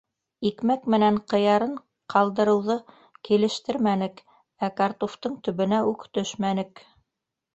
Икмәк менән ҡыярын ҡалдырыуҙы килештермәнек, ә картуфтың төбөнә үк төшмәнек.